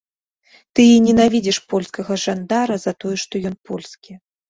Ты і ненавідзіш польскага жандара за тое, што ён польскі.